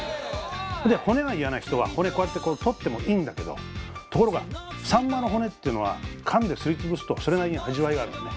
骨が嫌な人は骨こうやってこう取ってもいいんだけどところがさんまの骨っていうのはかんですり潰すとそれなりに味わいがあるのね。